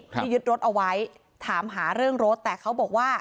ที่ยึดรถเอาไว้ถามหาเรื่องรถแต่เขาบอกว่า